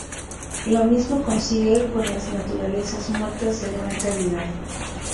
Lo mismo consigue con las naturalezas muertas de gran calidad.